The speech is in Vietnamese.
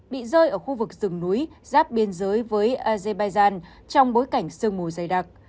bị rơi ở khu vực rừng núi giáp biên giới với azerbaijan trong bối cảnh sương mù dày đặc